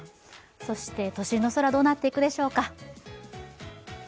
そして都心の空、どうなっていくでしょうか？